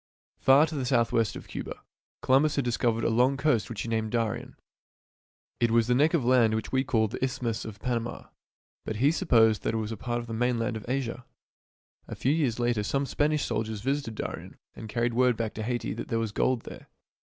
Far to the southwest of Cuba, Columbus had dis covered a long coast which he named Darien. It was the neck of land which we call the Isthmus of Panama, but he supposed that it was a part of the mainland of Asia. A few years later some Spanish sailors visited Darien and carried word back to Haiti that there was gold there.